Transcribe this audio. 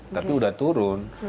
tapi sudah turun